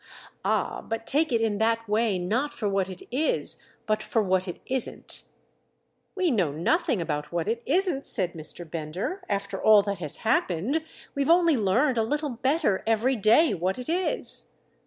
"Ah, but take it in that way not for what it is but for what it isn't." "We know nothing about what it 'isn't,'" said Mr. Bender, "after all that has happened—we've only learned a little better every day what it is."